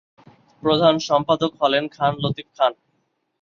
প্রধান সম্পাদক হলেন খান লতিফ খান।